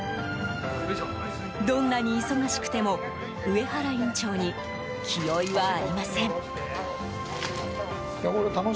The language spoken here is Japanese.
どんなに忙しくても上原院長に気負いはありません。